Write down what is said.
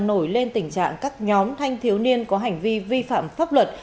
nổi lên tình trạng các nhóm thanh thiếu niên có hành vi vi phạm pháp luật